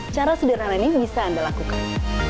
cara sederhana ini bisa anda lakukan